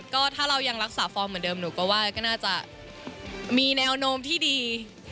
ก็ถ้าเรายังรักษาฟอร์มเหมือนเดิมหนูก็ว่าก็น่าจะมีแนวโน้มที่ดี